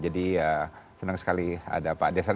jadi senang sekali ada pak desra